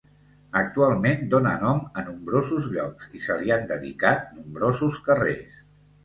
Actualment dóna nom a nombrosos llocs, i se li han dedicat nombrosos carrers.